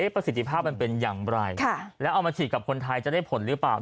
ประสิทธิภาพมันเป็นอย่างไรแล้วเอามาฉีดกับคนไทยจะได้ผลหรือเปล่า